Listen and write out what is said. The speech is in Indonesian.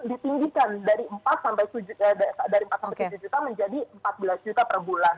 ditinggikan dari empat tujuh juta menjadi empat belas juta per bulan